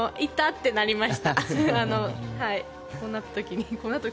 こうなった時に。